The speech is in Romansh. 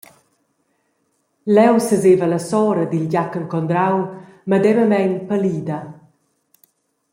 Leu seseva la sora dil Giachen Condrau, medemamein pallida.